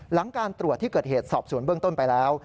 หลังการตรวจที่เกิดเหตุสอบสวนเบื้องต้นไปแล้ว